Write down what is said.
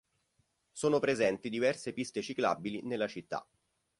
Sono presenti diverse piste ciclabili nella città.